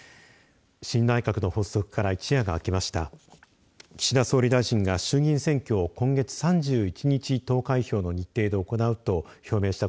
新内閣の発足から一夜が明けました。